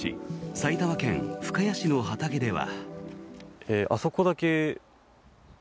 埼玉県深谷市の畑では。